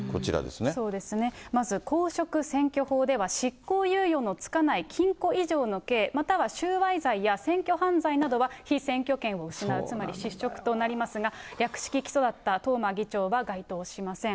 そうですね、まず、公職選挙法では、執行猶予のつかない禁錮以上の刑、または収賄罪や選挙犯罪などは被選挙権を失う、つまり失職となりますが、略式起訴だった東間議長は該当しません。